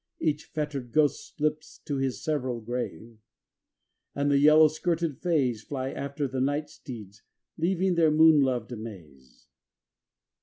Each fettered ghost slips to his several grave, And the yellow skirted Fays Fly after the night steeds, leaving their moon loved maze.